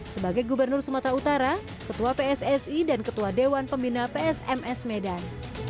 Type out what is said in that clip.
sebagai gubernur sumatera utara ketua pssi dan ketua dewan pembina psms medan